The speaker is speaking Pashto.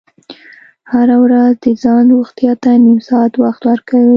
هره ورځ د ځان روغتیا ته نیم ساعت وخت ورکوئ.